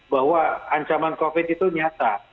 bahwa ancaman covid itu nyata